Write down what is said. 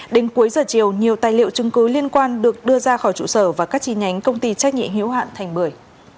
đến cuối giờ chiều nhiều tài liệu chứng cứ liên quan được đưa ra khỏi trụ sở và các chi nhánh công ty trách nhiệm hiếu hạn thành bưởi